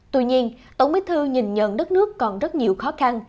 tuy nhiên tổng bí thư nhìn nhận đất nước còn rất nhiều khó khăn